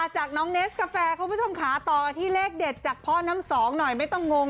จากน้องเนสกาแฟคุณผู้ชมค่ะต่อกันที่เลขเด็ดจากพ่อน้ำสองหน่อยไม่ต้องงง